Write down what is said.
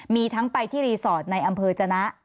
มีทั้งไปที่รีสอร์ทในอำเภอจนะ